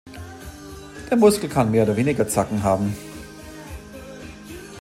Der Muskel kann mehr oder weniger Zacken haben.